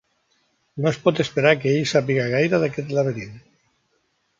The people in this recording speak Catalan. No es pot esperar que ell sàpiga gaire d'aquest laberint.